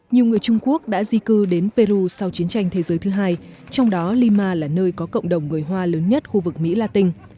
nhiều người trung quốc đã di cư đến peru sau chiến tranh thế giới thứ hai trong đó lima là nơi có cộng đồng người hoa lớn nhất khu vực mỹ latin